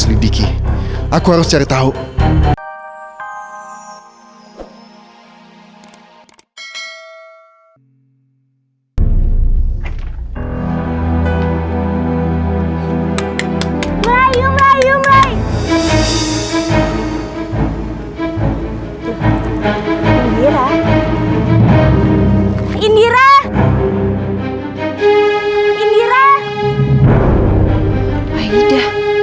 indirnya sakit apa